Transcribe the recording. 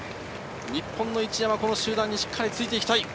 日本の一山、この集団にしっかりついていきたい。